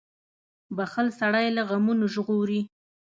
• بښل سړی له غمونو ژغوري.